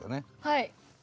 はい。